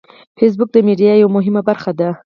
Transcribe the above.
فېسبوک د میډیا یوه مهمه برخه ده